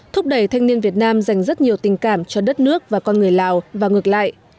thúc đẩy thanh niên việt nam dành rất nhiều tình cảm cho đất nước và con người lào và ngược lại